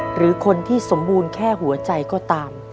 หรือคนที่สมบูรณ์แค่หัวใจก็ตาม